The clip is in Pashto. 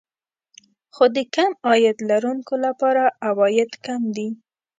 خو د کم عاید لرونکو لپاره عواید کم دي